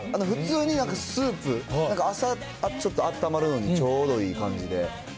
普通になんかスープ、朝、ちょっとあったまるのにちょうどいい感じで。